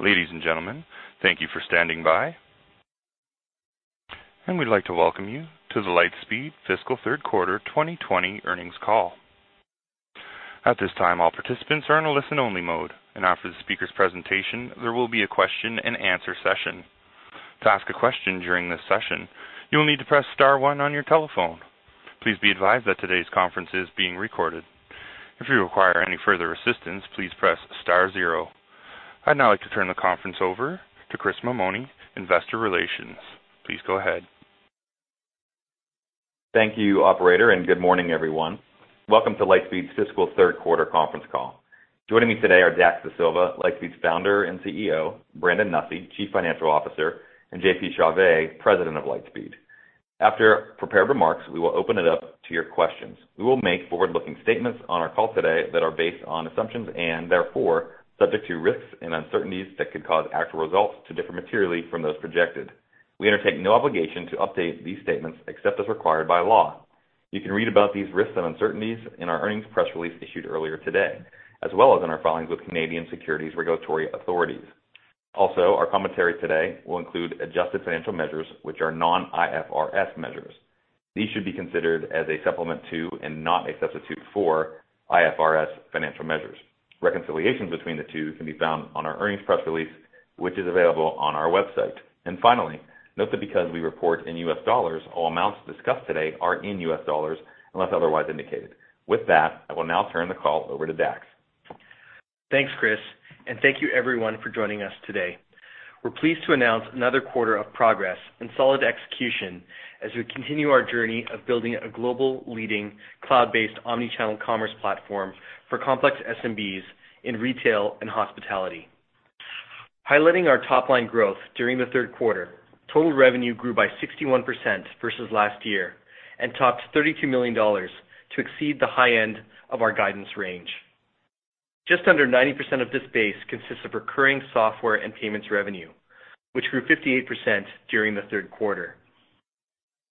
Ladies and gentlemen, thank you for standing by, and we'd like to welcome you to the Lightspeed fiscal third quarter 2020 earnings call. At this time, all participants are in a listen-only mode, and after the speaker's presentation, there will be a question and answer session. To ask a question during this session, you will need to press star one on your telephone. Please be advised that today's conference is being recorded. If you require any further assistance, please press star zero. I'd now like to turn the conference over to Chris Mammone, Investor Relations. Please go ahead. Thank you, operator, and good morning, everyone. Welcome to Lightspeed's Fiscal Third Quarter Conference Call. Joining me today are Dax Dasilva, Lightspeed's Founder and CEO, Brandon Nussey, Chief Financial Officer, and JP Chauvet, President of Lightspeed. After prepared remarks, we will open it up to your questions. We will make forward-looking statements on our call today that are based on assumptions and therefore subject to risks and uncertainties that could cause actual results to differ materially from those projected. We undertake no obligation to update these statements except as required by law. You can read about these risks and uncertainties in our earnings press release issued earlier today, as well as in our filings with Canadian securities regulatory authorities. Our commentary today will include adjusted financial measures, which are non-IFRS measures. These should be considered as a supplement to and not a substitute for IFRS financial measures. Reconciliations between the two can be found on our earnings press release, which is available on our website. Finally, note that because we report in US dollars, all amounts discussed today are in US dollars unless otherwise indicated. With that, I will now turn the call over to Dax. Thanks, Chris Mammone, and thank you everyone for joining us today. We're pleased to announce another quarter of progress and solid execution as we continue our journey of building a global leading cloud-based omni-channel commerce platform for complex SMBs in retail and hospitality. Highlighting our top-line growth during the third quarter, total revenue grew by 61% versus last year and topped $32 million to exceed the high end of our guidance range. Just under 90% of this base consists of recurring software and payments revenue, which grew 58% during the third quarter.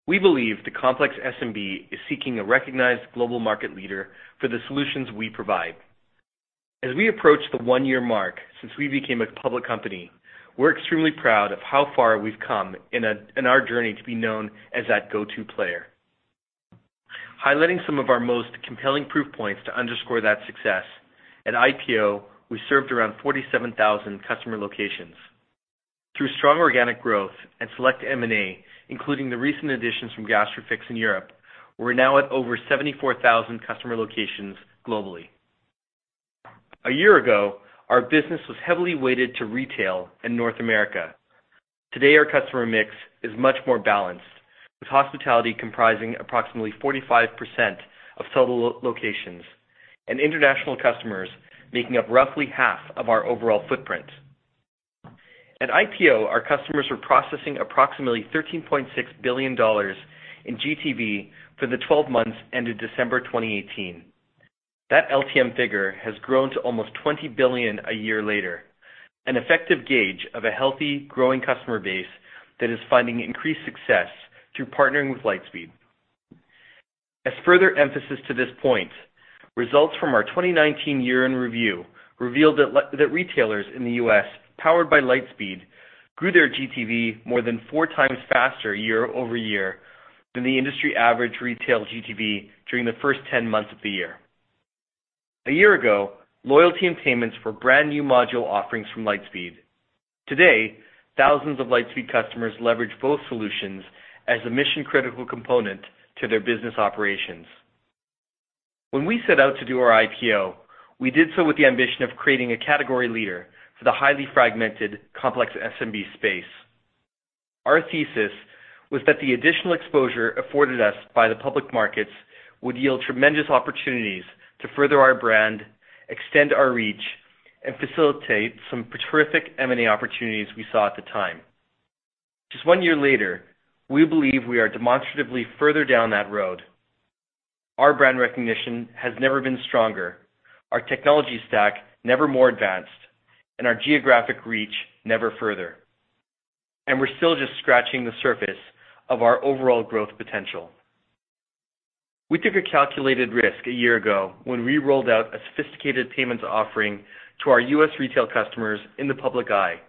We believe the complex SMB is seeking a recognized global market leader for the solutions we provide. As we approach the one-year mark since we became a public company, we're extremely proud of how far we've come in our journey to be known as that go-to player. Highlighting some of our most compelling proof points to underscore that success, at IPO, we served around 47,000 customer locations. Through strong organic growth and select M&A, including the recent additions from Gastrofix in Europe, we're now at over 74,000 customer locations globally. A year ago, our business was heavily weighted to retail in North America. Today, our customer mix is much more balanced, with hospitality comprising approximately 45% of total locations and international customers making up roughly half of our overall footprint. At IPO, our customers were processing approximately $13.6 billion in GTV for the 12 months ended December 2018. That LTM figure has grown to almost $20 billion a year later, an effective gauge of a healthy, growing customer base that is finding increased success through partnering with Lightspeed. As further emphasis to this point, results from our 2019 year-end review revealed that retailers in the U.S. powered by Lightspeed grew their GTV more than four times faster year-over-year than the industry average retail GTV during the first 10 months of the year. A year ago, loyalty and payments were brand-new module offerings from Lightspeed. Today, thousands of Lightspeed customers leverage both solutions as a mission-critical component to their business operations. When we set out to do our IPO, we did so with the ambition of creating a category leader for the highly fragmented, complex SMB space. Our thesis was that the additional exposure afforded us by the public markets would yield tremendous opportunities to further our brand, extend our reach, and facilitate some terrific M&A opportunities we saw at the time. Just one year later, we believe we are demonstratively further down that road. Our brand recognition has never been stronger, our technology stack never more advanced, and our geographic reach never further. We're still just scratching the surface of our overall growth potential. We took a calculated risk a year ago when we rolled out a sophisticated payments offering to our U.S. retail customers in the public eye.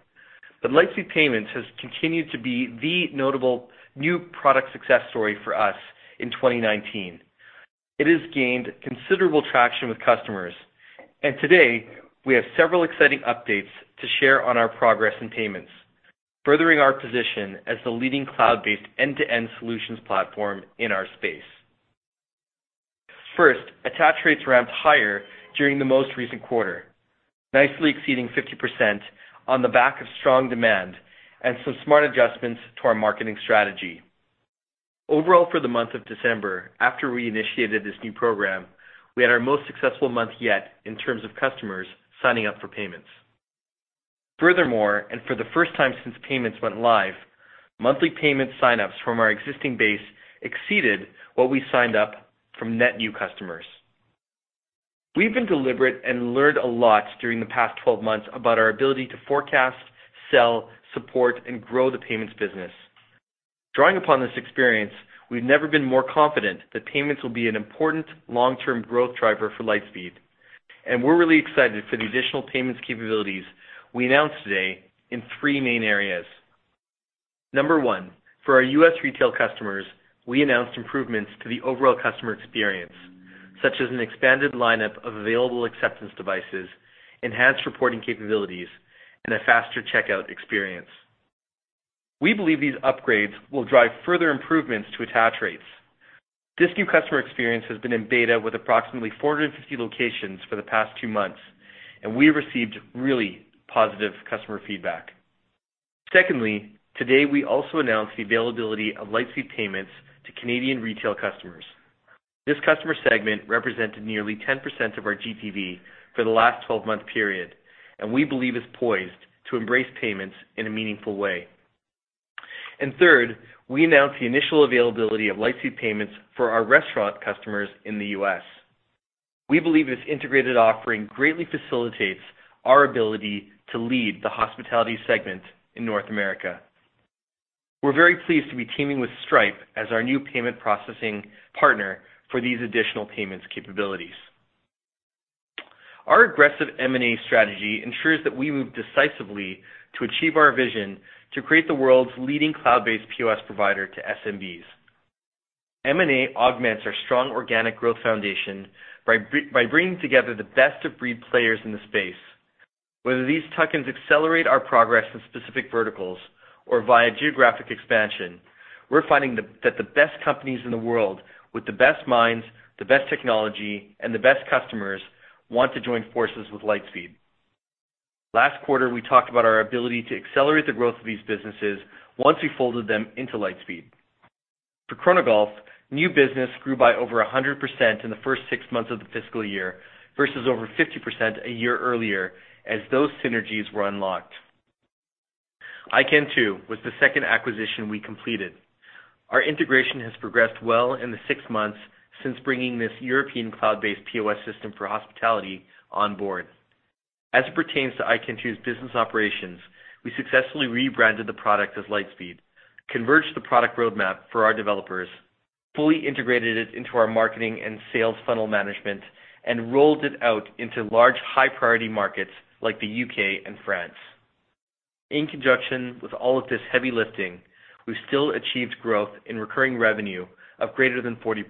Lightspeed Payments has continued to be the notable new product success story for us in 2019. It has gained considerable traction with customers, and today we have several exciting updates to share on our progress in payments, furthering our position as the leading cloud-based end-to-end solutions platform in our space. First, attach rates ramped higher during the most recent quarter, nicely exceeding 50% on the back of strong demand and some smart adjustments to our marketing strategy. Overall, for the month of December, after we initiated this new program, we had our most successful month yet in terms of customers signing up for payments. Furthermore, for the first time since payments went live, monthly payment sign-ups from our existing base exceeded what we signed up from net new customers. We've been deliberate and learned a lot during the past 12 months about our ability to forecast, sell, support, and grow the payments business. Drawing upon this experience, we've never been more confident that payments will be an important long-term growth driver for Lightspeed, and we're really excited for the additional payments capabilities we announced today in three main areas. Number one, for our U.S. retail customers, we announced improvements to the overall customer experience, such as an expanded lineup of available acceptance devices, enhanced reporting capabilities, and a faster checkout experience. We believe these upgrades will drive further improvements to attach rates. This new customer experience has been in beta with approximately 450 locations for the past two months. We received really positive customer feedback. Secondly, today we also announced the availability of Lightspeed Payments to Canadian retail customers. This customer segment represented nearly 10% of our GPV for the last 12-month period. We believe is poised to embrace payments in a meaningful way. Third, we announced the initial availability of Lightspeed Payments for our restaurant customers in the U.S. We believe this integrated offering greatly facilitates our ability to lead the hospitality segment in North America. We're very pleased to be teaming with Stripe as our new payment processing partner for these additional payments capabilities. Our aggressive M&A strategy ensures that we move decisively to achieve our vision to create the world's leading cloud-based POS provider to SMBs. M&A augments our strong organic growth foundation by bringing together the best-of-breed players in the space. Whether these tuck-ins accelerate our progress in specific verticals or via geographic expansion, we're finding that the best companies in the world with the best minds, the best technology, and the best customers want to join forces with Lightspeed. Last quarter, we talked about our ability to accelerate the growth of these businesses once we folded them into Lightspeed. For Chronogolf, new business grew by over 100% in the first six months of the fiscal year, versus over 50% a year earlier as those synergies were unlocked. iKentoo was the second acquisition we completed. Our integration has progressed well in the six months since bringing this European cloud-based POS system for hospitality on board. As it pertains to iKentoo's business operations, we successfully rebranded the product as Lightspeed, converged the product roadmap for our developers, fully integrated it into our marketing and sales funnel management, and rolled it out into large, high-priority markets like the U.K. and France. In conjunction with all of this heavy lifting, we've still achieved growth in recurring revenue of greater than 40%.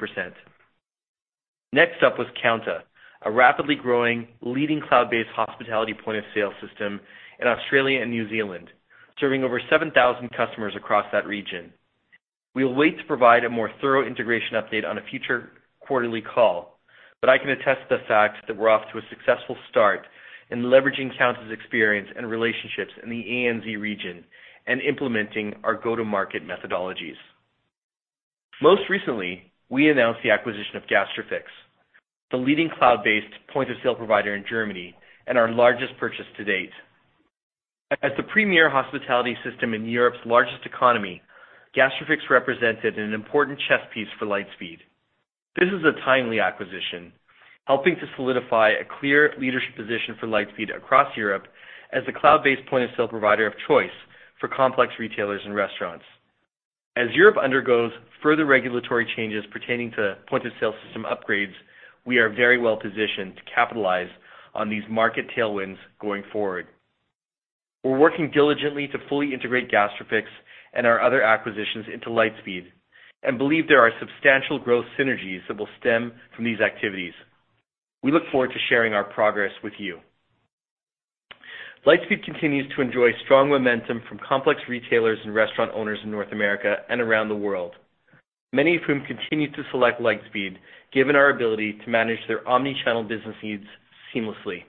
Next up was Kounta, a rapidly growing leading cloud-based hospitality point-of-sale system in Australia and New Zealand, serving over 7,000 customers across that region. We await to provide a more thorough integration update on a future quarterly call, but I can attest to the fact that we're off to a successful start in leveraging Kounta's experience and relationships in the ANZ region and implementing our go-to-market methodologies. Most recently, we announced the acquisition of Gastrofix, the leading cloud-based point-of-sale provider in Germany and our largest purchase to date. As the premier hospitality system in Europe's largest economy, Gastrofix represented an important chess piece for Lightspeed. This is a timely acquisition, helping to solidify a clear leadership position for Lightspeed across Europe as the cloud-based point-of-sale provider of choice for complex retailers and restaurants. As Europe undergoes further regulatory changes pertaining to point-of-sale system upgrades, we are very well positioned to capitalize on these market tailwinds going forward. We're working diligently to fully integrate Gastrofix and our other acquisitions into Lightspeed and believe there are substantial growth synergies that will stem from these activities. We look forward to sharing our progress with you. Lightspeed continues to enjoy strong momentum from complex retailers and restaurant owners in North America and around the world, many of whom continue to select Lightspeed given our ability to manage their omnichannel business needs seamlessly.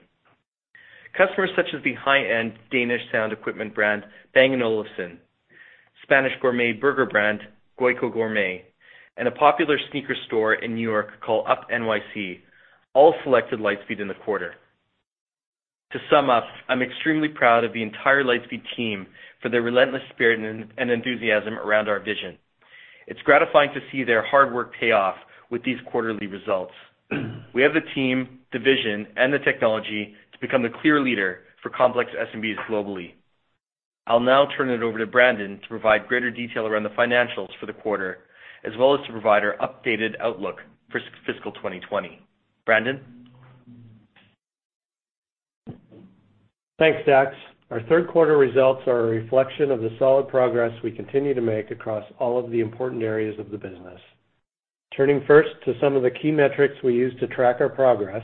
Customers such as the high-end Danish sound equipment brand Bang & Olufsen, Spanish gourmet burger brand Goiko Gourmet, and a popular sneaker store in New York called UP NYC all selected Lightspeed in the quarter. To sum up, I'm extremely proud of the entire Lightspeed team for their relentless spirit and enthusiasm around our vision. It's gratifying to see their hard work pay off with these quarterly results. We have the team, the vision, and the technology to become the clear leader for complex SMBs globally. I'll now turn it over to Brandon to provide greater detail around the financials for the quarter, as well as to provide our updated outlook for fiscal 2020. Brandon? Thanks, Dax. Our third quarter results are a reflection of the solid progress we continue to make across all of the important areas of the business. Turning first to some of the key metrics we use to track our progress,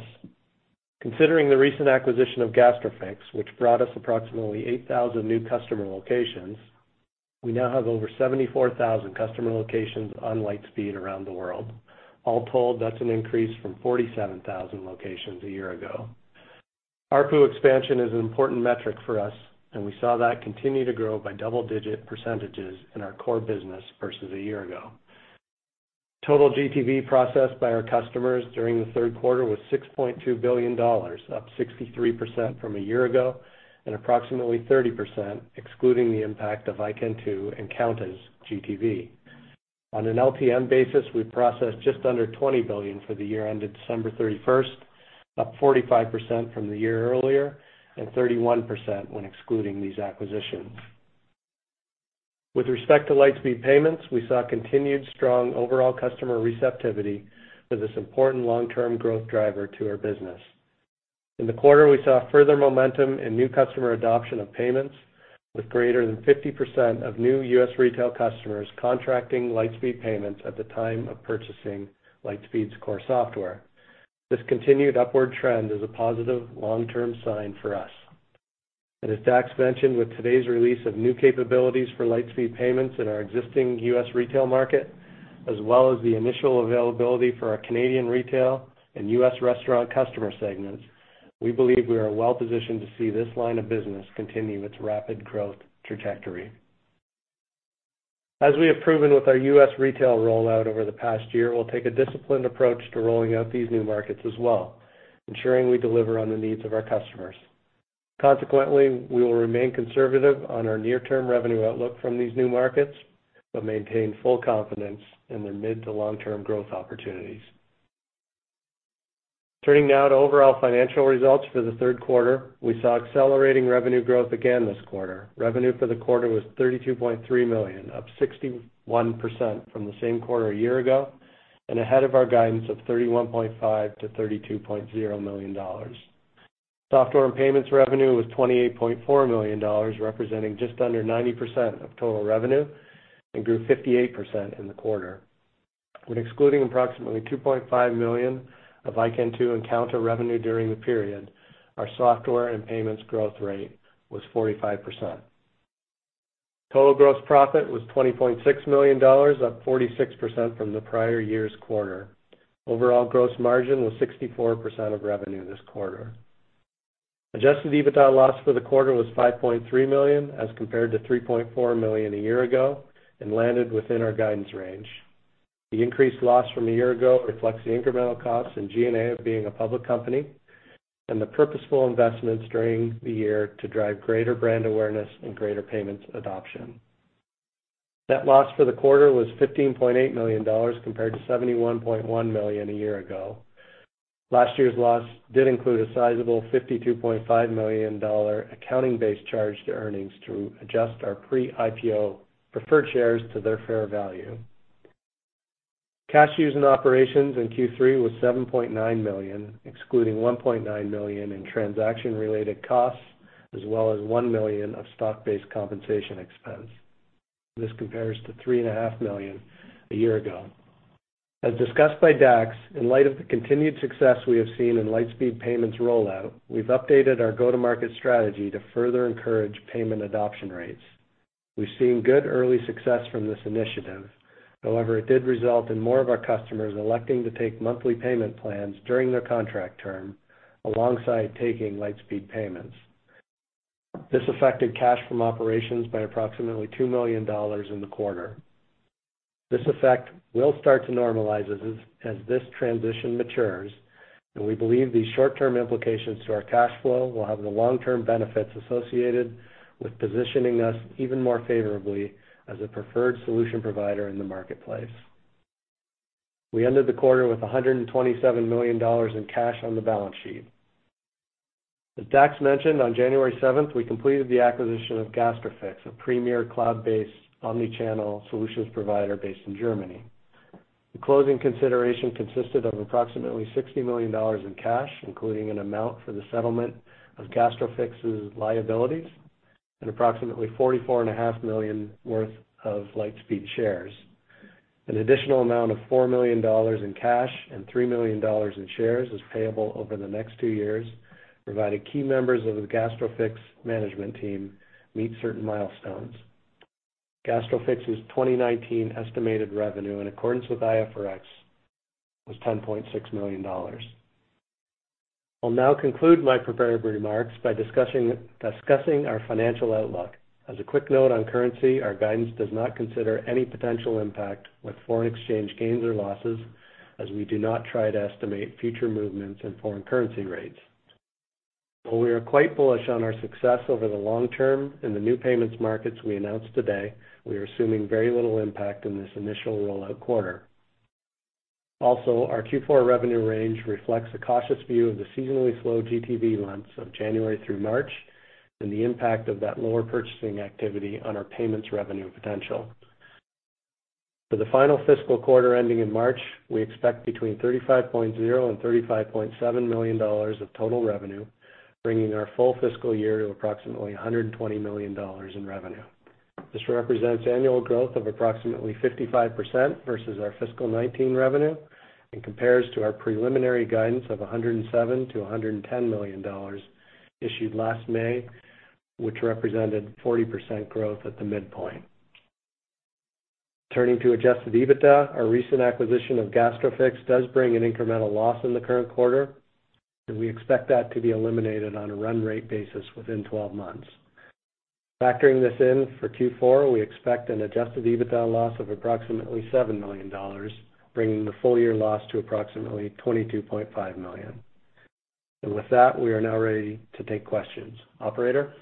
considering the recent acquisition of Gastrofix, which brought us approximately 8,000 new customer locations, we now have over 74,000 customer locations on Lightspeed around the world. All told, that's an increase from 47,000 locations a year ago. ARPU expansion is an important metric for us, and we saw that continue to grow by double-digit percentages in our core business versus a year ago. Total GTV processed by our customers during the third quarter was $6.2 billion, up 63% from a year ago, and approximately 30% excluding the impact of iKentoo and Kounta's GTV. On an LTM basis, we processed just under $20 billion for the year ended December 31st, up 45% from the year earlier, and 31% when excluding these acquisitions. With respect to Lightspeed Payments, we saw continued strong overall customer receptivity for this important long-term growth driver to our business. In the quarter, we saw further momentum in new customer adoption of payments, with greater than 50% of new U.S. retail customers contracting Lightspeed Payments at the time of purchasing Lightspeed's core software. This continued upward trend is a positive long-term sign for us. As Dax mentioned, with today's release of new capabilities for Lightspeed Payments in our existing U.S. retail market, as well as the initial availability for our Canadian retail and U.S. restaurant customer segments, we believe we are well positioned to see this line of business continue its rapid growth trajectory. As we have proven with our U.S. retail rollout over the past year, we'll take a disciplined approach to rolling out these new markets as well, ensuring we deliver on the needs of our customers. Consequently, we will remain conservative on our near-term revenue outlook from these new markets, but maintain full confidence in their mid- to long-term growth opportunities. Turning now to overall financial results for the third quarter, we saw accelerating revenue growth again this quarter. Revenue for the quarter was $32.3 million, up 61% from the same quarter a year ago, and ahead of our guidance of $31.5 million-$32.0 million. Software and payments revenue was $28.4 million, representing just under 90% of total revenue, and grew 58% in the quarter. When excluding approximately $2.5 million of iKentoo and Kounta revenue during the period, our software and payments growth rate was 45%. Total gross profit was $20.6 million, up 46% from the prior year's quarter. Overall gross margin was 64% of revenue this quarter. Adjusted EBITDA loss for the quarter was $5.3 million, as compared to $3.4 million a year ago, and landed within our guidance range. The increased loss from a year ago reflects the incremental costs in G&A of being a public company, and the purposeful investments during the year to drive greater brand awareness and greater payments adoption. Net loss for the quarter was $15.8 million, compared to $71.1 million a year ago. Last year's loss did include a sizable $52.5 million accounting-based charge to earnings to adjust our pre-IPO preferred shares to their fair value. Cash using operations in Q3 was $7.9 million, excluding $1.9 million in transaction-related costs, as well as $1 million of stock-based compensation expense. This compares to $3.5 million a year ago. As discussed by Dax, in light of the continued success we have seen in Lightspeed Payments' rollout, we've updated our go-to-market strategy to further encourage payment adoption rates. We've seen good early success from this initiative. However, it did result in more of our customers electing to take monthly payment plans during their contract term, alongside taking Lightspeed Payments. This affected cash from operations by approximately $2 million in the quarter. This effect will start to normalize as this transition matures, and we believe these short-term implications to our cash flow will have the long-term benefits associated with positioning us even more favorably as a preferred solution provider in the marketplace. We ended the quarter with $127 million in cash on the balance sheet. As Dax mentioned, on January 7th, we completed the acquisition of Gastrofix, a premier cloud-based omni-channel solutions provider based in Germany. The closing consideration consisted of approximately $60 million in cash, including an amount for the settlement of Gastrofix's liabilities, and approximately $44.5 million worth of Lightspeed shares. An additional amount of $4 million in cash and $3 million in shares is payable over the next two years, provided key members of the Gastrofix management team meet certain milestones. Gastrofix's 2019 estimated revenue, in accordance with IFRS, was $10.6 million. I'll now conclude my prepared remarks by discussing our financial outlook. As a quick note on currency, our guidance does not consider any potential impact with foreign exchange gains or losses, as we do not try to estimate future movements in foreign currency rates. Though we are quite bullish on our success over the long term in the new payments markets we announced today, we are assuming very little impact in this initial rollout quarter. Our Q4 revenue range reflects a cautious view of the seasonally slow GTV months of January through March and the impact of that lower purchasing activity on our payments revenue potential. For the final fiscal quarter ending in March, we expect between $35.0 million and $35.7 million of total revenue, bringing our full fiscal year to approximately $120 million in revenue. This represents annual growth of approximately 55% versus our fiscal 2019 revenue and compares to our preliminary guidance of $107 million-$110 million issued last May, which represented 40% growth at the midpoint. Turning to adjusted EBITDA, our recent acquisition of Gastrofix does bring an incremental loss in the current quarter, and we expect that to be eliminated on a run rate basis within 12 months. Factoring this in for Q4, we expect an adjusted EBITDA loss of approximately $7 million, bringing the full year loss to approximately $22.5 million. With that, we are now ready to take questions. Operator?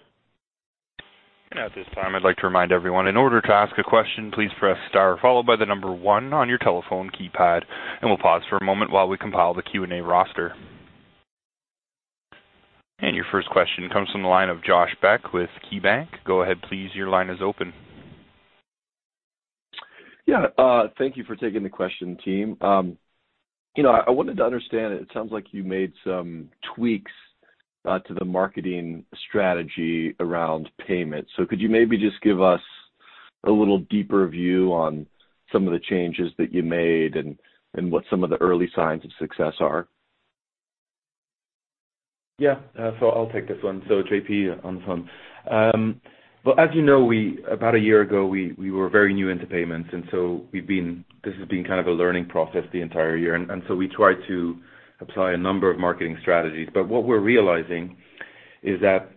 At this time, I'd like to remind everyone, in order to ask a question, please press star followed by the number one on your telephone keypad, and we'll pause for a moment while we compile the Q&A roster. Your first question comes from the line of Josh Beck with KeyBanc. Go ahead, please. Your line is open. Yeah. Thank you for taking the question, team. I wanted to understand, it sounds like you made some tweaks to the marketing strategy around payments. Could you maybe just give us a little deeper view on some of the changes that you made and what some of the early signs of success are? I'll take this one. JP on the phone. As you know, about a year ago, we were very new into payments. This has been kind of a learning process the entire year. We tried to apply a number of marketing strategies. What we're realizing is that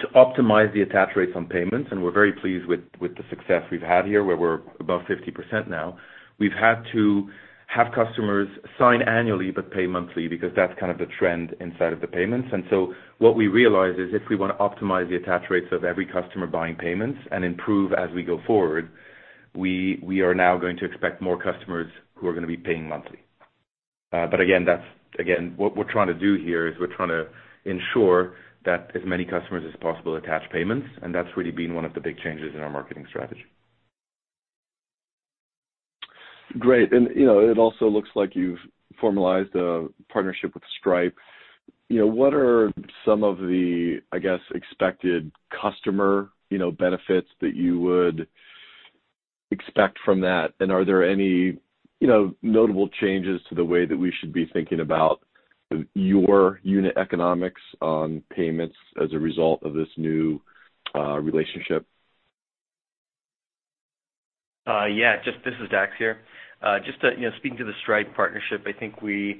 to optimize the attach rates on payments, and we're very pleased with the success we've had here, where we're above 50% now, we've had to have customers sign annually but pay monthly, because that's kind of the trend inside of the payments. What we realize is if we want to optimize the attach rates of every customer buying payments and improve as we go forward, we are now going to expect more customers who are going to be paying monthly. Again, what we're trying to do here, is we're trying to ensure that as many customers as possible attach payments, and that's really been one of the big changes in our marketing strategy. Great. It also looks like you've formalized a partnership with Stripe. What are some of the, I guess, expected customer benefits that you would expect from that? Are there any notable changes to the way that we should be thinking about your unit economics on payments as a result of this new relationship? This is Dax here. Just speaking to the Stripe partnership, I think we've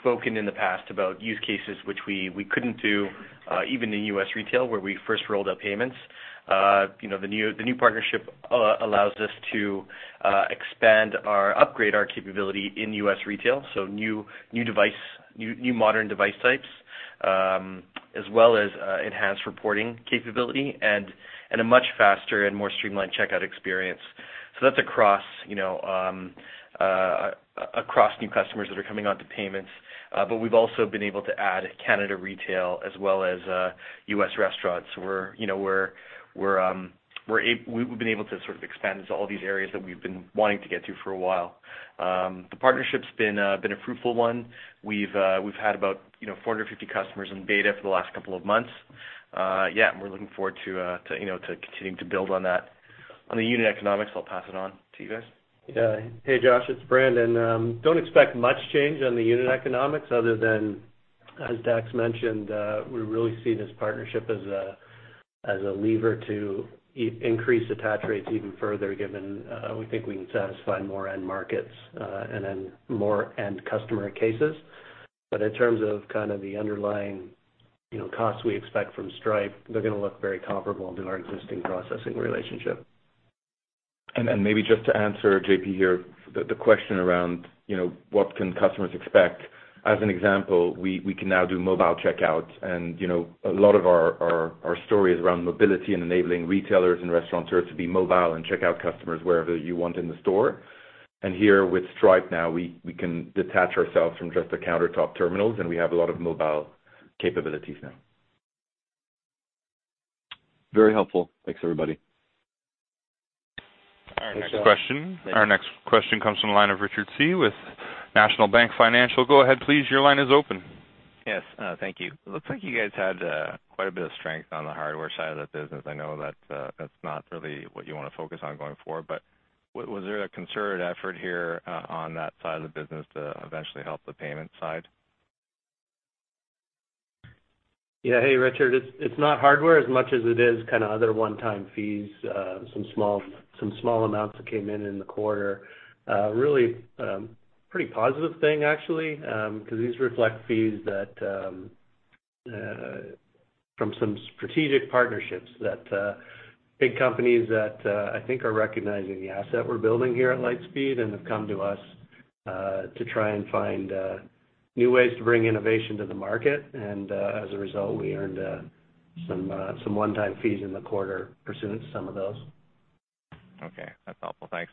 spoken in the past about use cases which we couldn't do, even in U.S. retail, where we first rolled out Payments. The new partnership allows us to expand or upgrade our capability in U.S. retail, so new modern device types, as well as enhanced reporting capability and a much faster and more streamlined checkout experience. That's across new customers that are coming onto Payments. We've also been able to add Canada retail as well as U.S. restaurants, where we've been able to sort of expand into all these areas that we've been wanting to get to for a while. The partnership's been a fruitful one. We've had about 450 customers in beta for the last couple of months, and we're looking forward to continuing to build on that. On the unit economics, I'll pass it on to you guys. Yeah. Hey, Josh, it's Brandon. Don't expect much change on the unit economics other than, as Dax mentioned, we really see this partnership as a lever to increase attach rates even further, given we think we can satisfy more end markets, and then more end customer cases. In terms of the underlying costs we expect from Stripe, they're going to look very comparable to our existing processing relationship. Maybe just to answer, JP here, the question around what can customers expect, as an example, we can now do mobile checkout, and a lot of our story is around mobility and enabling retailers and restaurateurs to be mobile and check out customers wherever you want in the store. Here with Stripe now, we can detach ourselves from just the countertop terminals, and we have a lot of mobile capabilities now. Very helpful. Thanks, everybody. Our next question comes from the line of Richard Tse with National Bank Financial. Go ahead, please. Your line is open. Yes. Thank you. Looks like you guys had quite a bit of strength on the hardware side of the business. I know that's not really what you want to focus on going forward. Was there a concerted effort here on that side of the business to eventually help the payment side? Yeah. Hey, Richard. It's not hardware as much as it is kind of other one-time fees, some small amounts that came in in the quarter. Really, pretty positive thing, actually, because these reflect fees from some strategic partnerships, that big companies that I think are recognizing the asset we're building here at Lightspeed and have come to us, to try and find new ways to bring innovation to the market. As a result, we earned some one-time fees in the quarter pursuant to some of those. Okay. That's helpful. Thanks.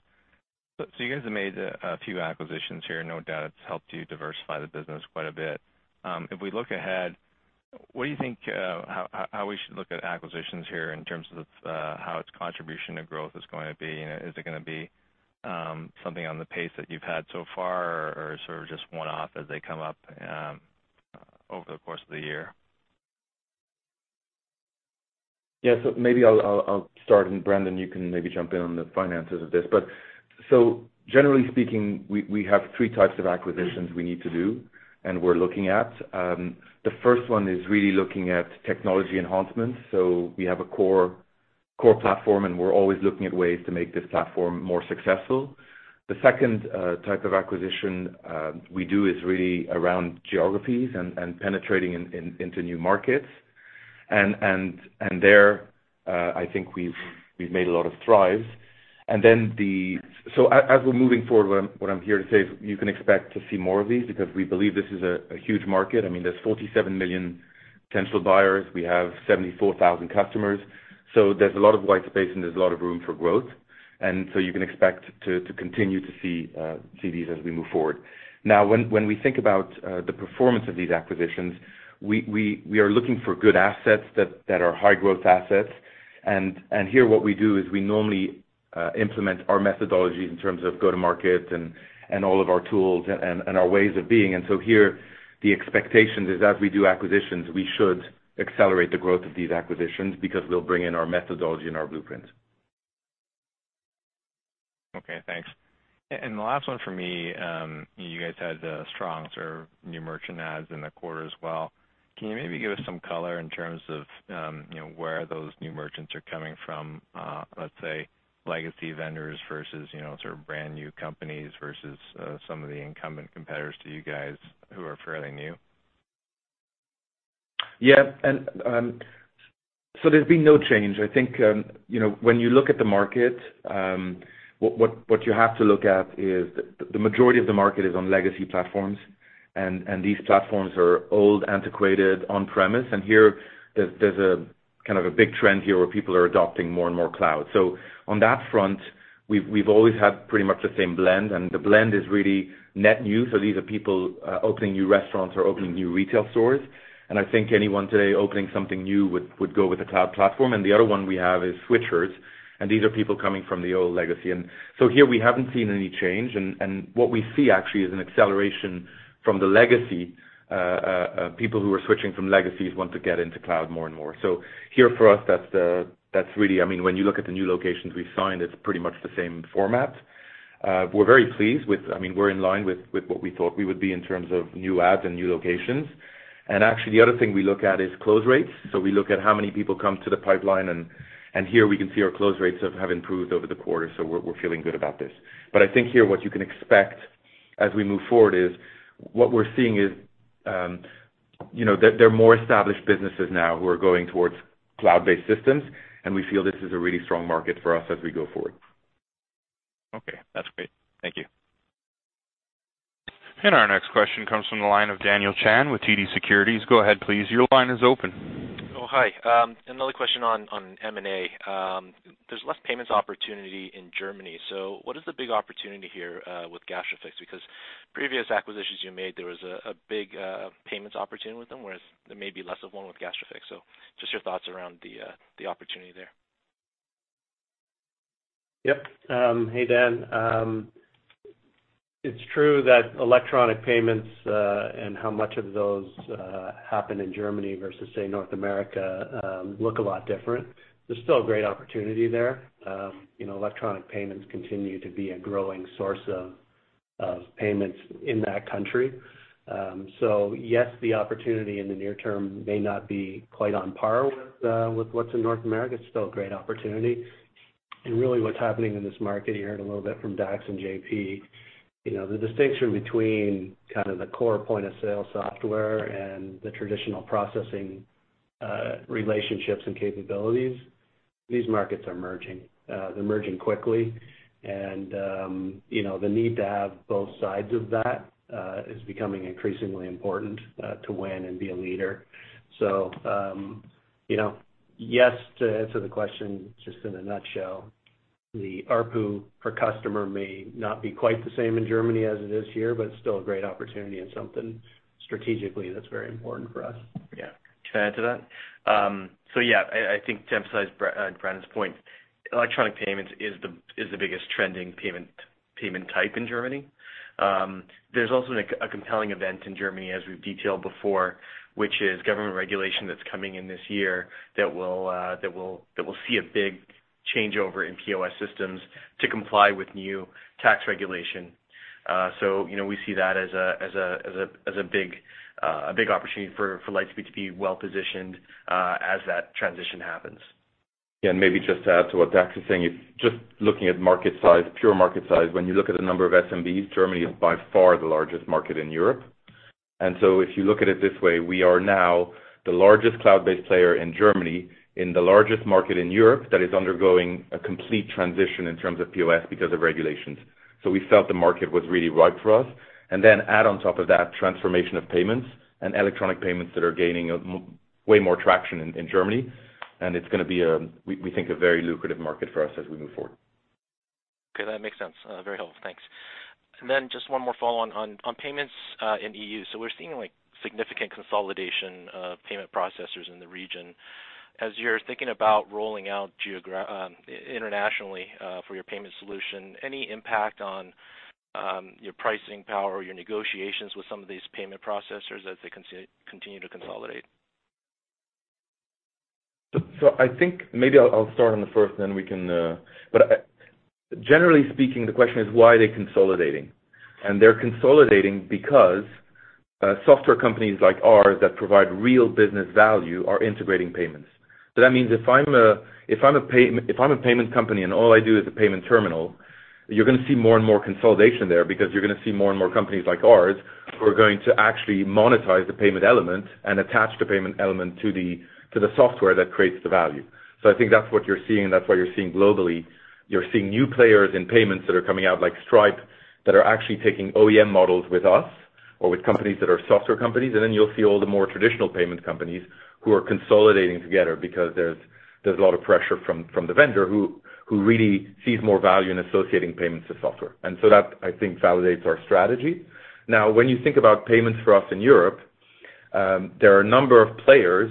You guys have made a few acquisitions here. No doubt it's helped you diversify the business quite a bit. If we look ahead, what do you think how we should look at acquisitions here in terms of how its contribution to growth is going to be? Is it going to be something on the pace that you've had so far or sort of just one-off as they come up over the course of the year? Yeah. Maybe I'll start, and Brandon, you can maybe jump in on the finances of this. Generally speaking, we have three types of acquisitions we need to do and we're looking at. The first one is really looking at technology enhancements. We have a core platform, and we're always looking at ways to make this platform more successful. The second type of acquisition we do is really around geographies and penetrating into new markets. There, I think we've made a lot of strides. As we're moving forward, what I'm here to say is you can expect to see more of these because we believe this is a huge market. There's 47 million potential buyers. We have 74,000 customers, there's a lot of white space and there's a lot of room for growth. You can expect to continue to see these as we move forward. Now, when we think about the performance of these acquisitions, we are looking for good assets that are high growth assets. Here what we do is we normally implement our methodology in terms of go to market and all of our tools and our ways of being. Here the expectation is as we do acquisitions, we should accelerate the growth of these acquisitions because we'll bring in our methodology and our blueprints. Okay, thanks. The last one from me, you guys had a strong sort of new merchant adds in the quarter as well. Can you maybe give us some color in terms of where those new merchants are coming from, let's say legacy vendors versus brand new companies versus some of the incumbent competitors to you guys who are fairly new? Yeah. There's been no change. I think when you look at the market, what you have to look at is the majority of the market is on legacy platforms, and these platforms are old, antiquated, on-premise, and here, there's a big trend here where people are adopting more and more cloud. On that front, we've always had pretty much the same blend, and the blend is really net new. These are people opening new restaurants or opening new retail stores. I think anyone today opening something new would go with a cloud platform. The other one we have is switchers, and these are people coming from the old legacy. Here we haven't seen any change, and what we see actually is an acceleration from the legacy, people who are switching from legacies want to get into cloud more and more. Here for us, when you look at the new locations we find, it's pretty much the same format. We're in line with what we thought we would be in terms of new adds and new locations. Actually, the other thing we look at is close rates. We look at how many people come to the pipeline, and here we can see our close rates have improved over the quarter, so we're feeling good about this. I think here what you can expect as we move forward is what we're seeing is there are more established businesses now who are going towards cloud-based systems, and we feel this is a really strong market for us as we go forward. Okay, that's great. Thank you. Our next question comes from the line of Daniel Chan with TD Securities. Go ahead please. Your line is open. Oh, hi. Another question on M&A. There's less payments opportunity in Germany. What is the big opportunity here with Gastrofix? Previous acquisitions you made, there was a big payments opportunity with them, whereas there may be less of one with Gastrofix. Just your thoughts around the opportunity there. Hey, Dan. It's true that electronic payments, and how much of those happen in Germany versus, say, North America, look a lot different. There's still a great opportunity there. Electronic payments continue to be a growing source of payments in that country. Yes, the opportunity in the near term may not be quite on par with what's in North America. It's still a great opportunity. Really what's happening in this market, you heard a little bit from Dax and JP, the distinction between kind of the core point-of-sale software and the traditional processing relationships and capabilities, these markets are merging. They're merging quickly. The need to have both sides of that is becoming increasingly important to win and be a leader. Yes to answer the question, just in a nutshell, the ARPU per customer may not be quite the same in Germany as it is here, but it's still a great opportunity and something strategically that's very important for us. Yeah. Can I add to that? Yeah, I think to emphasize Brandon's point, electronic payments is the biggest trending payment type in Germany. There's also a compelling event in Germany as we've detailed before, which is government regulation that's coming in this year that will see a big changeover in POS systems to comply with new tax regulation. We see that as a big opportunity for Lightspeed to be well-positioned as that transition happens. Maybe just to add to what Dax is saying, just looking at market size, pure market size, when you look at the number of SMBs, Germany is by far the largest market in Europe. If you look at it this way, we are now the largest cloud-based player in Germany, in the largest market in Europe, that is undergoing a complete transition in terms of POS because of regulations. We felt the market was really right for us. Add on top of that transformation of payments and electronic payments that are gaining way more traction in Germany, and it's going to be, we think, a very lucrative market for us as we move forward. Okay, that makes sense. Very helpful. Thanks. Just one more follow-on on payments in EU. We're seeing significant consolidation of payment processors in the region. As you're thinking about rolling out internationally for your payment solution, any impact on your pricing power or your negotiations with some of these payment processors as they continue to consolidate? I think maybe I'll start on the first. Generally speaking, the question is why are they consolidating? They're consolidating because software companies like ours that provide real business value are integrating payments. That means if I'm a payment company and all I do is a payment terminal, you're going to see more and more consolidation there because you're going to see more and more companies like ours who are going to actually monetize the payment element and attach the payment element to the software that creates the value. I think that's what you're seeing, and that's what you're seeing globally. You're seeing new players in payments that are coming out, like Stripe, that are actually taking OEM models with us or with companies that are software companies. You'll see all the more traditional payment companies who are consolidating together because there's a lot of pressure from the vendor who really sees more value in associating payments to software. That, I think, validates our strategy. When you think about payments for us in Europe, there are a number of players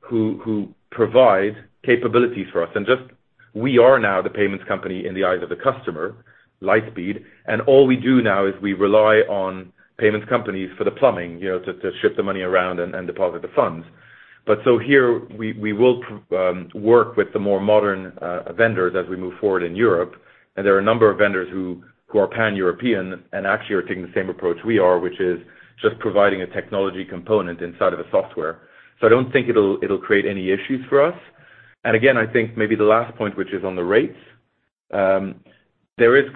who provide capabilities for us. We are now the payments company in the eyes of the customer, Lightspeed, and all we do now is we rely on payments companies for the plumbing to ship the money around and deposit the funds. Here we will work with the more modern vendors as we move forward in Europe. There are a number of vendors who are Pan-European and actually are taking the same approach we are, which is just providing a technology component inside of a software. I don't think it'll create any issues for us. Again, I think maybe the last point, which is on the rates, there is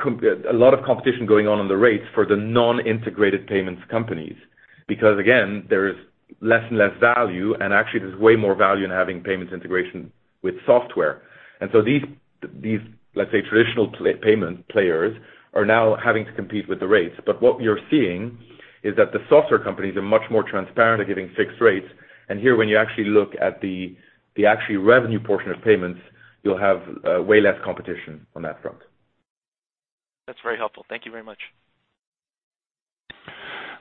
a lot of competition going on the rates for the non-integrated payments companies, because, again, there is less and less value, and actually there's way more value in having payments integration with software. These, let's say, traditional payment players are now having to compete with the rates. What we are seeing is that the software companies are much more transparent at giving fixed rates. Here, when you actually look at the actual revenue portion of payments, you'll have way less competition on that front. That's very helpful. Thank you very much.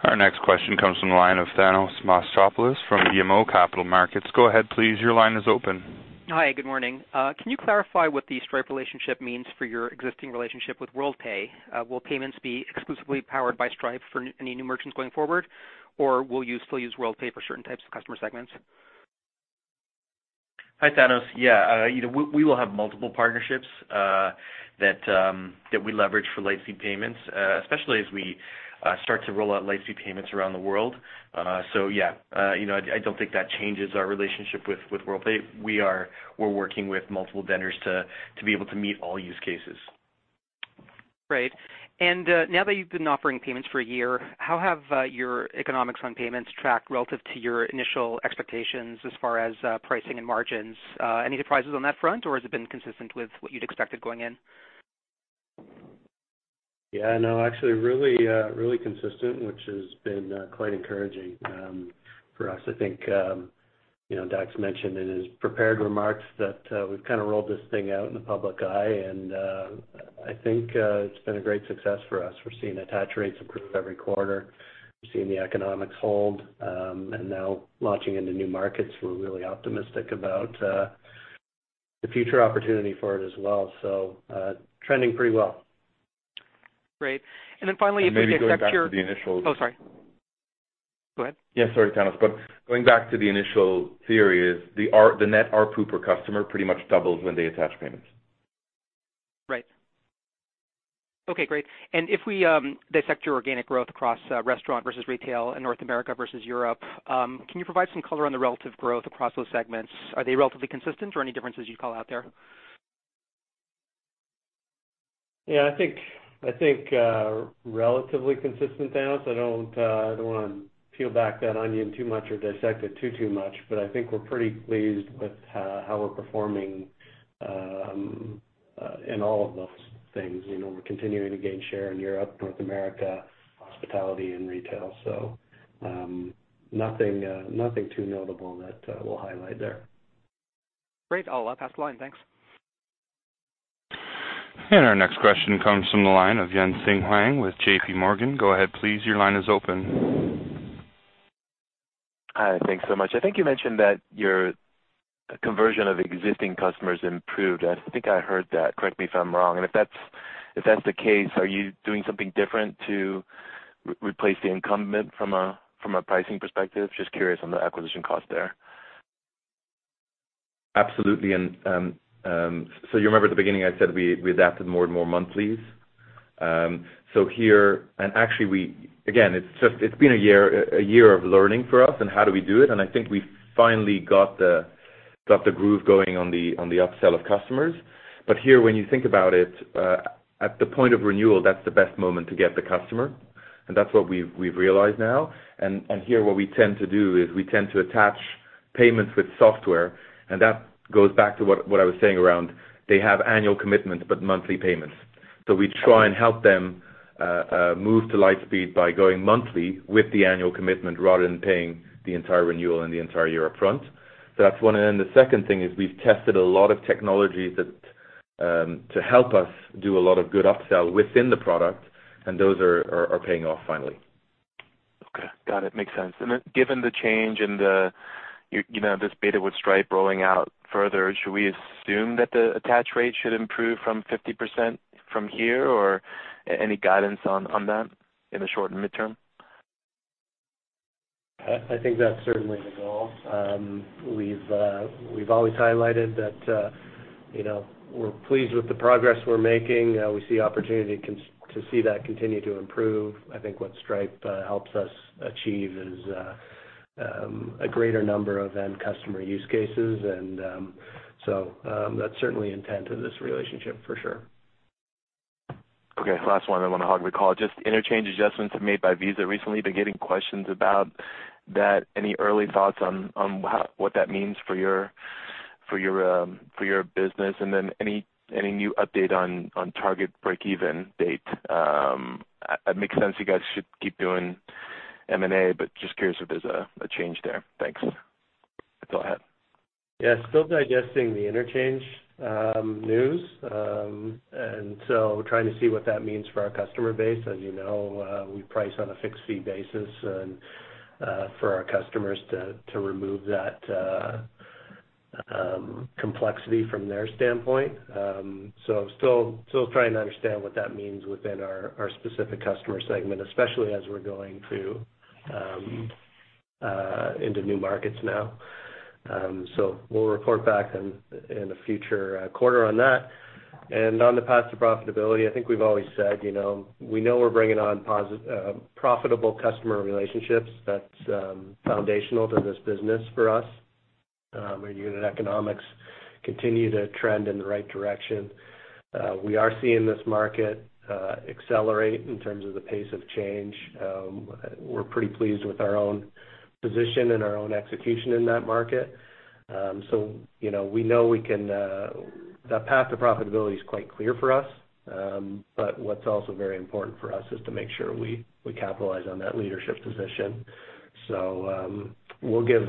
Our next question comes from the line of Thanos Moschopoulos from BMO Capital Markets. Go ahead, please. Your line is open. Hi, good morning. Can you clarify what the Stripe relationship means for your existing relationship with Worldpay? Will payments be exclusively powered by Stripe for any new merchants going forward, or will you still use Worldpay for certain types of customer segments? Hi, Thanos. Yeah. We will have multiple partnerships that we leverage for Lightspeed Payments, especially as we start to roll out Lightspeed Payments around the world. Yeah, I don't think that changes our relationship with Worldpay. We're working with multiple vendors to be able to meet all use cases. Great. Now that you've been offering payments for a year, how have your economics on payments tracked relative to your initial expectations as far as pricing and margins? Any surprises on that front, or has it been consistent with what you'd expected going in? Yeah, no, actually really consistent, which has been quite encouraging for us. I think Dax mentioned in his prepared remarks that we've kind of rolled this thing out in the public eye, I think it's been a great success for us. We're seeing attach rates improve every quarter. We're seeing the economics hold. Now launching into new markets, we're really optimistic about the future opportunity for it as well. Trending pretty well. Great. Finally, if you could accept. maybe going back to the initial. Oh, sorry. Go ahead. Yeah, sorry, Thanos. Going back to the initial theory is the net ARPU per customer pretty much doubles when they attach payments. Right. Okay, great. If we dissect your organic growth across restaurant versus retail in North America versus Europe, can you provide some color on the relative growth across those segments? Are they relatively consistent or any differences you'd call out there? Yeah, I think relatively consistent, Thanos. I don't want to peel back that onion too much or dissect it too much, but I think we're pretty pleased with how we're performing in all of those things. We're continuing to gain share in Europe, North America, hospitality, and retail. Nothing too notable that we'll highlight there. Great. I'll pass the line. Thanks. Our next question comes from the line of Tien-Tsin Huang with JPMorgan. Go ahead, please. Your line is open. Hi. Thanks so much. I think you mentioned that your conversion of existing customers improved. I think I heard that. Correct me if I'm wrong. If that's the case, are you doing something different to replace the incumbent from a pricing perspective? Just curious on the acquisition cost there. Absolutely. You remember at the beginning, I said we adapted more and more monthlies. Here, and actually again, it's been a year of learning for us and how do we do it, and I think we finally got the groove going on the upsell of customers. Here, when you think about it, at the point of renewal, that's the best moment to get the customer, and that's what we've realized now. Here what we tend to do is we tend to attach Payments with software, and that goes back to what I was saying around they have annual commitments but monthly Payments. We try and help them move to Lightspeed by going monthly with the annual commitment rather than paying the entire renewal and the entire year up front. That's one. The second thing is we've tested a lot of technologies to help us do a lot of good upsell within the product, and those are paying off finally. Okay. Got it. Makes sense. Given the change in this beta with Stripe rolling out further, should we assume that the attach rate should improve from 50% from here or any guidance on that in the short and midterm? I think that's certainly the goal. We've always highlighted that we're pleased with the progress we're making. We see opportunity to see that continue to improve. I think what Stripe helps us achieve is a greater number of end customer use cases. That's certainly intent of this relationship, for sure. Okay, last one. I want to hog the call. Just interchange adjustments made by Visa recently, been getting questions about that. Any early thoughts on what that means for your business? Any new update on target breakeven date? It makes sense you guys should keep doing M&A. Just curious if there's a change there. Thanks. Go ahead. Yes, still digesting the interchange news. Trying to see what that means for our customer base. As you know, we price on a fixed-fee basis and for our customers to remove that complexity from their standpoint. Still trying to understand what that means within our specific customer segment, especially as we're going into new markets now. We'll report back in a future quarter on that. On the path to profitability, I think we've always said we know we're bringing on profitable customer relationships. That's foundational to this business for us. Our unit economics continue to trend in the right direction. We are seeing this market accelerate in terms of the pace of change. We're pretty pleased with our own position and our own execution in that market. We know that path to profitability is quite clear for us. What's also very important for us is to make sure we capitalize on that leadership position. We'll give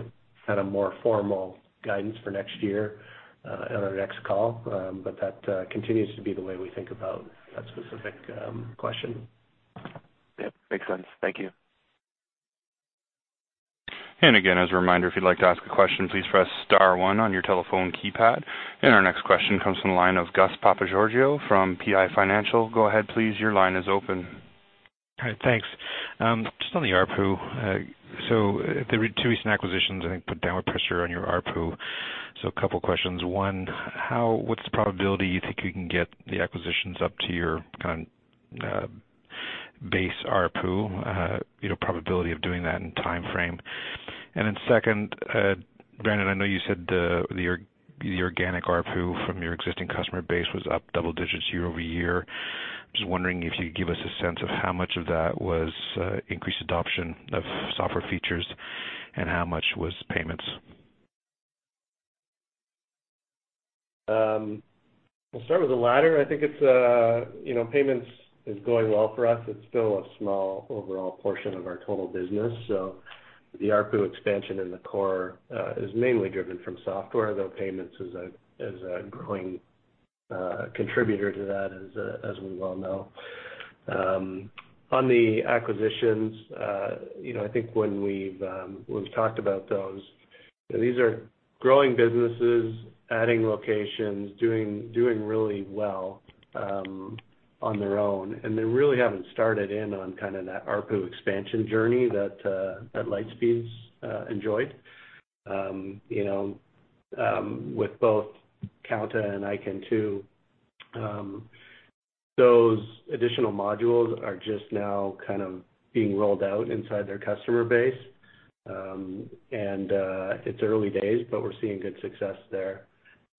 more formal guidance for next year at our next call. That continues to be the way we think about that specific question. Yep, makes sense. Thank you. Again, as a reminder, if you'd like to ask a question, please press star one on your telephone keypad. Our next question comes from the line of Gus Papageorgiou from PI Financial. Go ahead, please. Your line is open. All right, thanks. Just on the ARPU. The two recent acquisitions, I think, put downward pressure on your ARPU. A couple of questions. One, what's the probability you think you can get the acquisitions up to your base ARPU, probability of doing that and timeframe? Second, Brandon, I know you said the organic ARPU from your existing customer base was up double digits year-over-year. Just wondering if you could give us a sense of how much of that was increased adoption of software features and how much was payments. I'll start with the latter. I think payments is going well for us. It's still a small overall portion of our total business. The ARPU expansion in the core is mainly driven from software, though payments is a growing contributor to that as we well know. On the acquisitions, I think when we've talked about those, these are growing businesses, adding locations, doing really well on their own, and they really haven't started in on that ARPU expansion journey that Lightspeed's enjoyed. With both Kounta and iKentoo, those additional modules are just now being rolled out inside their customer base. It's early days, but we're seeing good success there.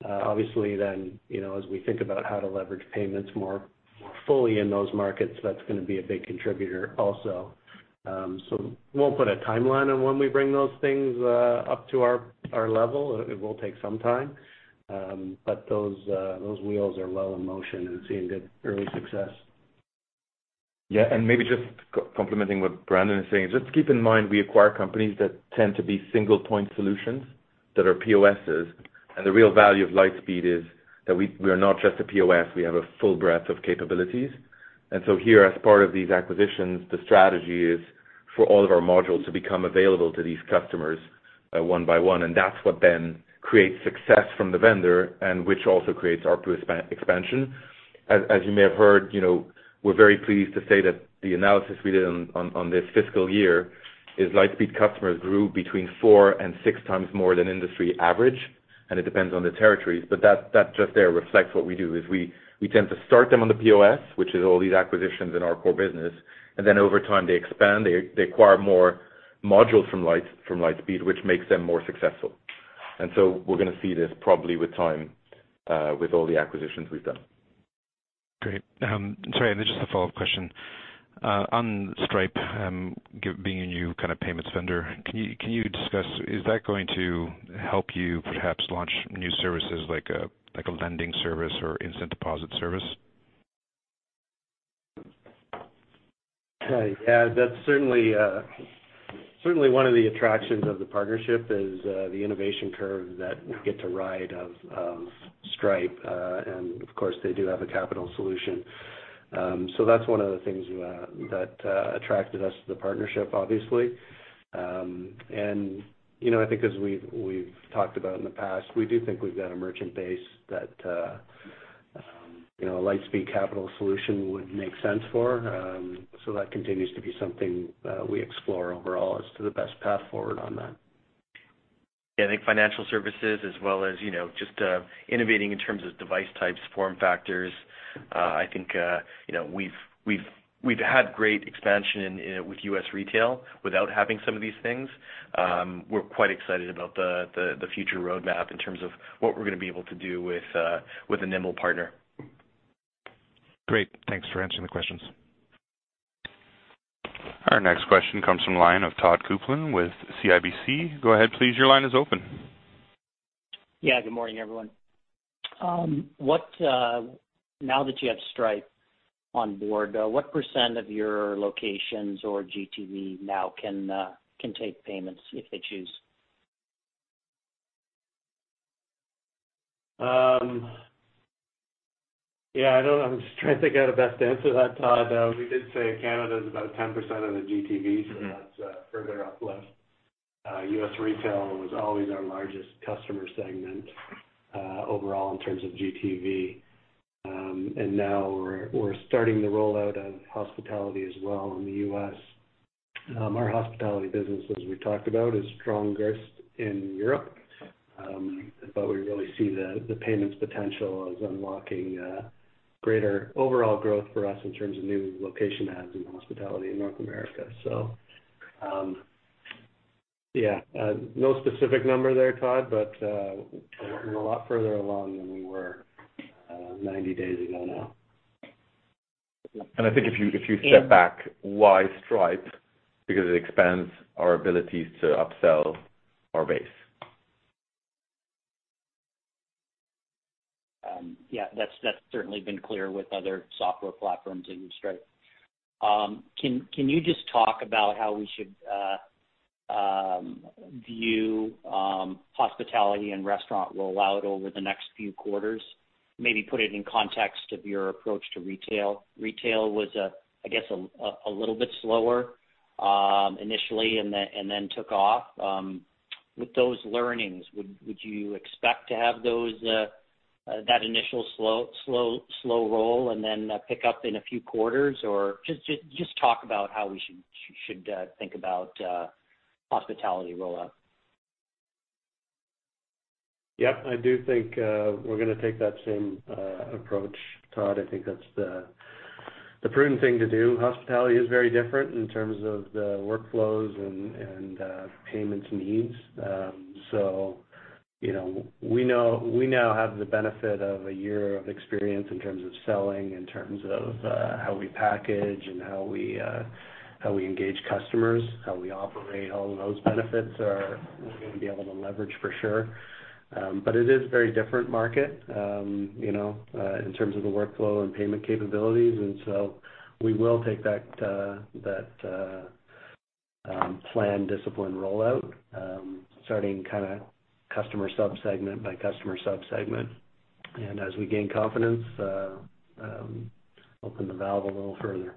Obviously, as we think about how to leverage payments more fully in those markets, that's going to be a big contributor also. Won't put a timeline on when we bring those things up to our level. It will take some time. Those wheels are well in motion and seeing good early success. Yeah, maybe just complementing what Brandon is saying, just keep in mind we acquire companies that tend to be single point solutions that are POSs. The real value of Lightspeed is that we are not just a POS. We have a full breadth of capabilities. Here as part of these acquisitions, the strategy is for all of our modules to become available to these customers one by one, and that's what then creates success from the vendor and which also creates ARPU expansion. As you may have heard, we're very pleased to say that the analysis we did on this fiscal year is Lightspeed customers grew between four and six times more than industry average, and it depends on the territories. That just there reflects what we do, is we tend to start them on the POS, which is all these acquisitions in our core business, and then over time they expand, they acquire more modules from Lightspeed, which makes them more successful. We're going to see this probably with time with all the acquisitions we've done. Great. Sorry, then just a follow-up question. On Stripe being a new kind of payments vendor, can you discuss is that going to help you perhaps launch new services like a lending service or instant deposit service? Yeah, that's certainly one of the attractions of the partnership is the innovation curve that we get to ride of Stripe. Of course, they do have a capital solution. That's one of the things that attracted us to the partnership, obviously. I think as we've talked about in the past, we do think we've got a merchant base that a Lightspeed Capital solution would make sense for, so that continues to be something we explore overall as to the best path forward on that. Yeah, I think financial services as well as just innovating in terms of device types, form factors, I think we've had great expansion with U.S. retail without having some of these things. We're quite excited about the future roadmap in terms of what we're going to be able to do with a nimble partner. Great. Thanks for answering the questions. Our next question comes from the line of Todd Coupland with CIBC. Go ahead, please. Your line is open. Yeah, good morning, everyone. Now that you have Stripe on board, what percent of your locations or GTV now can take payments if they choose? Yeah, I'm just trying to think how to best answer that, Todd. We did say Canada's about 10% of the GTV, that's further uplift. U.S. retail was always our largest customer segment overall in terms of GTV. Now we're starting the rollout of hospitality as well in the U.S. Our hospitality business, as we talked about, is strongest in Europe, we really see the payments potential as unlocking greater overall growth for us in terms of new location adds and hospitality in North America. Yeah, no specific number there, Todd, we're a lot further along than we were 90 days ago now. I think if you step back, why Stripe? Because it expands our abilities to upsell our base. Yeah, that's certainly been clear with other software platforms and with Stripe. Can you just talk about how we should view hospitality and restaurant rollout over the next few quarters? Maybe put it in context of your approach to retail. Retail was, I guess, a little bit slower initially and then took off. With those learnings, would you expect to have that initial slow roll and then pick up in a few quarters? Just talk about how we should think about hospitality rollout. Yep. I do think we're going to take that same approach, Todd. I think that's the prudent thing to do. Hospitality is very different in terms of the workflows and payments needs. We now have the benefit of one year of experience in terms of selling, in terms of how we package and how we engage customers, how we operate, all of those benefits are, we're going to be able to leverage for sure. It is a very different market in terms of the workflow and payment capabilities, we will take that planned, disciplined rollout, starting customer sub-segment by customer sub-segment. As we gain confidence, open the valve a little further.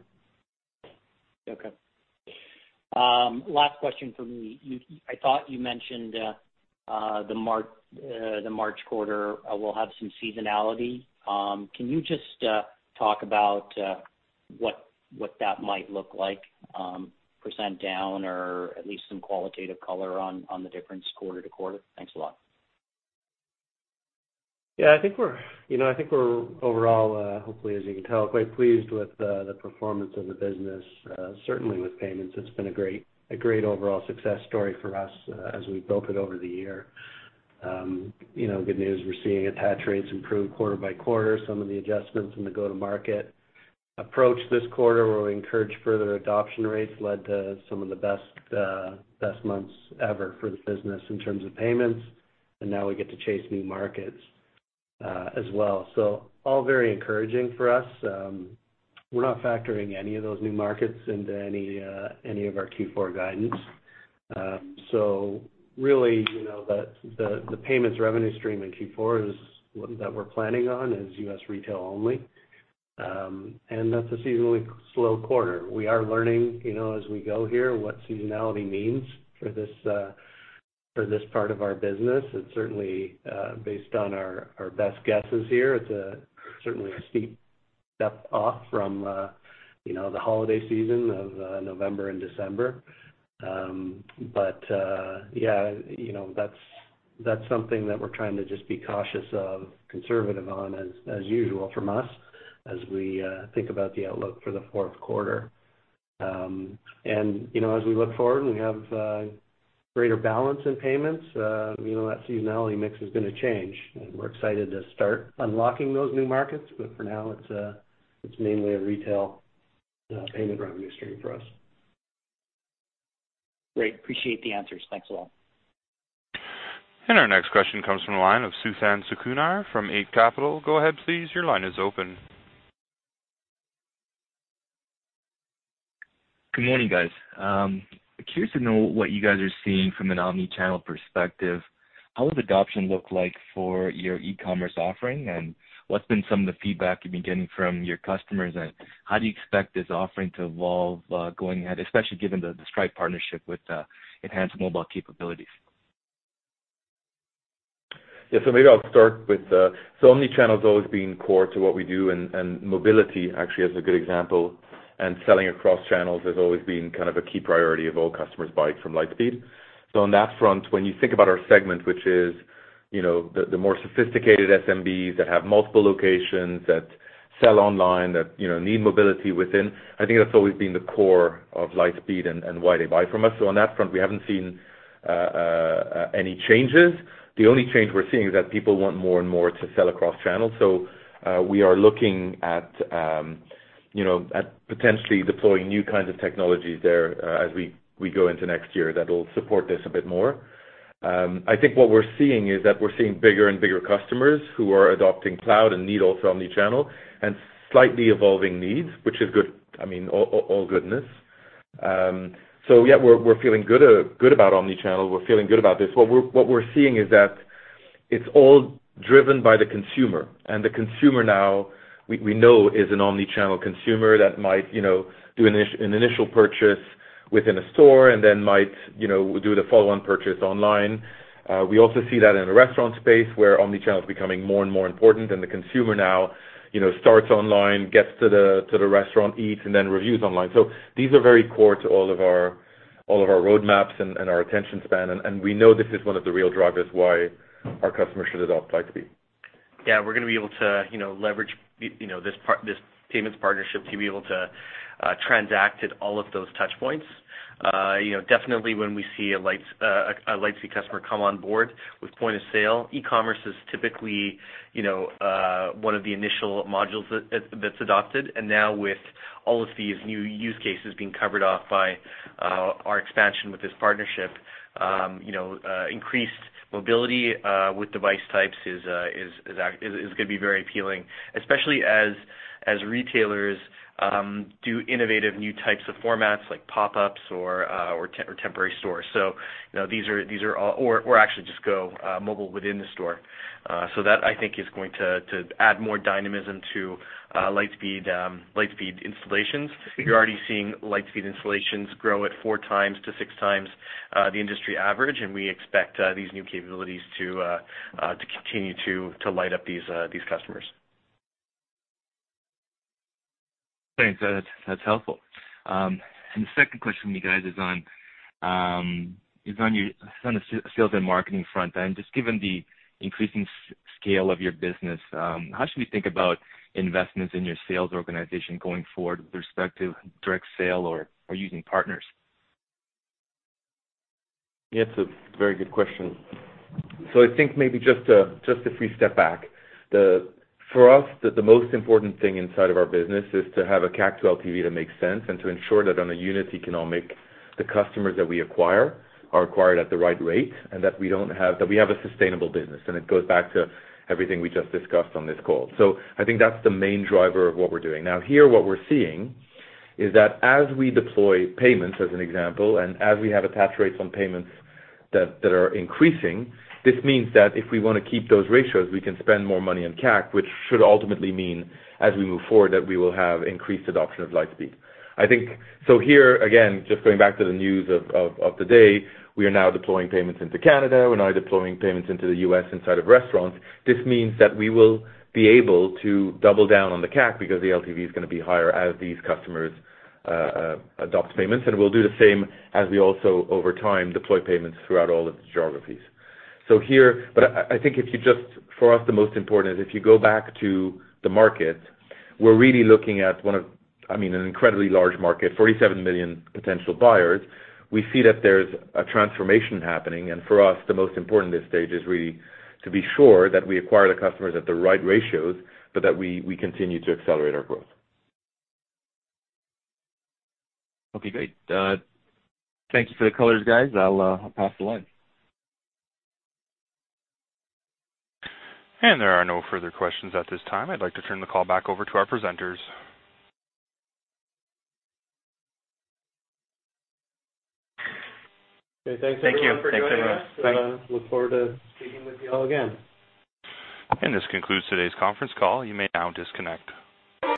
Okay. Last question from me. I thought you mentioned the March quarter will have some seasonality. Can you just talk about what that might look like, percent down or at least some qualitative color on the difference quarter-to-quarter? Thanks a lot. Yeah, I think we're overall, hopefully, as you can tell, quite pleased with the performance of the business. Certainly, with payments it's been a great overall success story for us as we've built it over the year. Good news, we're seeing attach rates improve quarter by quarter. Some of the adjustments in the go-to-market approach this quarter, where we encouraged further adoption rates, led to some of the best months ever for the business in terms of payments. Now we get to chase new markets as well. All very encouraging for us. We're not factoring any of those new markets into any of our Q4 guidance. Really, the payments revenue stream in Q4 that we're planning on is U.S. retail only, and that's a seasonally slow quarter. We are learning as we go here what seasonality means for this part of our business. It's certainly based on our best guesses here. It's certainly a steep step off from the holiday season of November and December. Yeah, that's something that we're trying to just be cautious of, conservative on as usual from us, as we think about the outlook for the fourth quarter. As we look forward and we have greater balance in payments, that seasonality mix is going to change, and we're excited to start unlocking those new markets. For now, it's mainly a retail payment revenue stream for us. Great. Appreciate the answers. Thanks a lot. Our next question comes from the line of Suthan Sukumar from Eight Capital. Go ahead please. Your line is open. Good morning, guys. Curious to know what you guys are seeing from an omni-channel perspective. How has adoption looked like for your e-commerce offering, and what's been some of the feedback you've been getting from your customers, and how do you expect this offering to evolve going ahead, especially given the Stripe partnership with enhanced mobile capabilities? Yeah. Maybe I'll start with omnichannel has always been core to what we do, and mobility actually is a good example, and selling across channels has always been kind of a key priority of all customers buying from Lightspeed. On that front, when you think about our segment, which is the more sophisticated SMBs that have multiple locations, that sell online, that need mobility within, I think that's always been the core of Lightspeed and why they buy from us. On that front, we haven't seen any changes. The only change we're seeing is that people want more and more to sell across channels. We are looking at potentially deploying new kinds of technologies there as we go into next year that'll support this a bit more. I think what we're seeing is that we're seeing bigger and bigger customers who are adopting cloud and need also omnichannel, and slightly evolving needs, which is all goodness. Yeah, we're feeling good about omnichannel. We're feeling good about this. What we're seeing is that it's all driven by the consumer, and the consumer now we know is an omnichannel consumer that might do an initial purchase within a store and then might do the follow-on purchase online. We also see that in the restaurant space, where omnichannel is becoming more and more important, and the consumer now starts online, gets to the restaurant, eats, and then reviews online. These are very core to all of our roadmaps and our attention span, and we know this is one of the real drivers why our customers should adopt Lightspeed. Yeah, we're going to be able to leverage this payments partnership to be able to transact at all of those touch points. Definitely when we see a Lightspeed customer come on board with point-of-sale, e-commerce is typically one of the initial modules that's adopted. Now with all of these new use cases being covered off by our expansion with this partnership, increased mobility with device types is going to be very appealing, especially as retailers do innovative new types of formats, like pop-ups or temporary stores, or actually just go mobile within the store. That, I think, is going to add more dynamism to Lightspeed installations. We're already seeing Lightspeed installations grow at four times to six times the industry average, and we expect these new capabilities to continue to light up these customers. Thanks. That's helpful. The second question for you guys is on the sales and marketing front end. Just given the increasing scale of your business, how should we think about investments in your sales organization going forward with respect to direct sale or using partners? Yeah, it's a very good question. I think maybe just if we step back. For us, the most important thing inside of our business is to have a CAC to LTV that makes sense and to ensure that on a unit economic, the customers that we acquire are acquired at the right rate, and that we have a sustainable business, and it goes back to everything we just discussed on this call. I think that's the main driver of what we're doing. Now, here, what we're seeing is that as we deploy payments, as an example, and as we have attach rates on payments that are increasing, this means that if we want to keep those ratios, we can spend more money on CAC, which should ultimately mean, as we move forward, that we will have increased adoption of Lightspeed. Here, again, just going back to the news of today, we are now deploying payments into Canada. We're now deploying payments into the U.S. inside of restaurants. This means that we will be able to double down on the CAC because the LTV is going to be higher as these customers adopt payments, and we'll do the same as we also, over time, deploy payments throughout all of the geographies. I think for us, the most important is if you go back to the market, we're really looking at an incredibly large market, 47 million potential buyers. We see that there's a transformation happening, and for us, the most important at this stage is really to be sure that we acquire the customers at the right ratios, but that we continue to accelerate our growth. Okay, great. Thank you for the color, guys. I'll pass the line. There are no further questions at this time. I'd like to turn the call back over to our presenters. Okay. Thanks, everyone, for joining us. Thank you. Look forward to speaking with you all again. This concludes today's conference call. You may now disconnect.